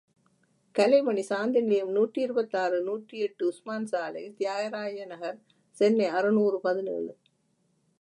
கலைமணி சாந்தி நிலையம் நூற்றி இருபத்தாறு நூற்றி எட்டு, உஸ்மான் சாலை, தியாகராய நகர், சென்னை அறுநூறு பதினேழு .